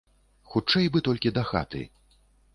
Хутчэй бы толькі дахаты.